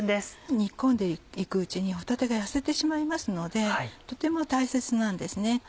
煮込んで行くうちに帆立が痩せてしまいますのでとても大切なんですね。